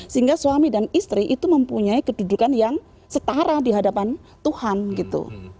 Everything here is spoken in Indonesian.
sehingga suami dan istri itu mempunyai kedudukan yang setara di hadapan tuhan gitu